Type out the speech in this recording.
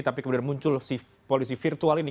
tapi kemudian muncul si polisi virtual ini